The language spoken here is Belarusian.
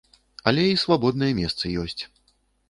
Але і свабодныя месцы ёсць.